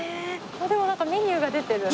でもなんかメニューが出てる。